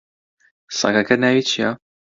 سەگەکەت ناوی چییە؟